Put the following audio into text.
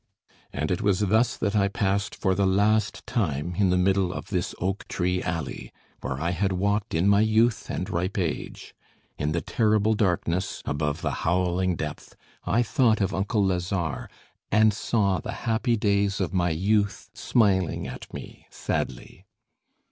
And it was thus that I passed for the last time in the middle of this oak tree alley, where I had walked in my youth and ripe age. In the terrible darkness, above the howling depth, I thought of uncle Lazare, and saw the happy days of my youth smiling at me sadly.